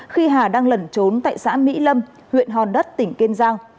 khi hà đang lẩn trốn tại xã mỹ lâm huyện hòn đất tỉnh kiên giang